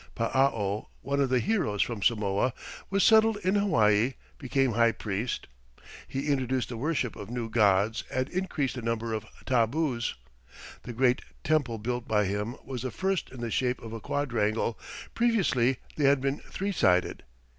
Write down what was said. Paao, one of the heroes from Samoa, who settled in Hawaii, became high priest. He introduced the worship of new gods and increased the number of tabus. The great temple built by him was the first in the shape of a quadrangle previously they had been three sided.